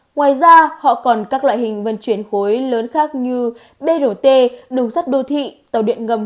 ngoài ra họ còn các loại hình vận chuyển khối lớn khác như brt đường sắt đô thị tàu điện ngầm